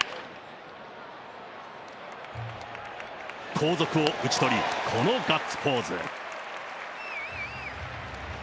後続を打ち取り、このガッツポーズ。